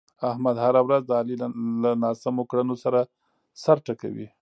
احمد هره ورځ د علي له ناسمو کړنو سر ټکوي.